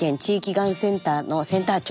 がんセンターのセンター長。